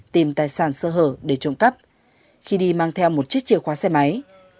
tìm tài sản sơ hở để trộm cắp khi đi mang theo một chiếc chìa khóa xe máy